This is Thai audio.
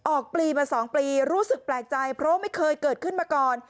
ปลีมา๒ปีรู้สึกแปลกใจเพราะไม่เคยเกิดขึ้นมาก่อน